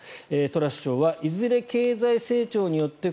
トラス首相はいずれ経済成長によって